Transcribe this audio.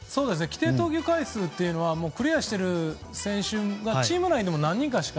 規定投球回数というのはクリアしている選手がチーム内でも何人いるか。